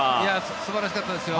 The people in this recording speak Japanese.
素晴らしかったですよ。